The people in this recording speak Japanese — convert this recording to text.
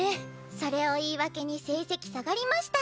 それを言い訳に成績下がりましたじゃ